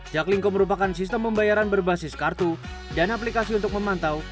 jaklingko merupakan sistem pembayaran berbasis kartu dan aplikasi untuk memantau